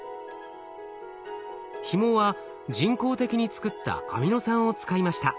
ひもは人工的に作ったアミノ酸を使いました。